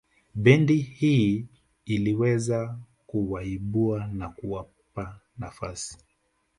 Bendi hii iliweza kuwaibua na kuwapa nafasi